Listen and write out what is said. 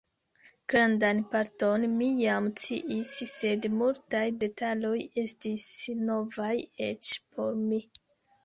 Grandan parton mi jam sciis, sed multaj detaloj estis novaj eĉ por mi.